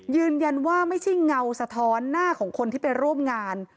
ยืนยันว่าไม่ใช่เงาสะท้อนหน้าของคนที่ไปร่วมงาน